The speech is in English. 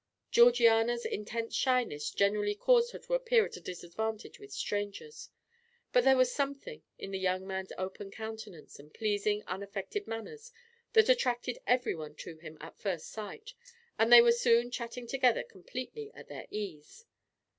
Georgiana's intense shyness generally caused her to appear at a disadvantage with strangers, but there was something in the young man's open countenance and pleasing, unaffected manners that attracted everyone to him at first sight, and they were soon chatting together completely at their ease.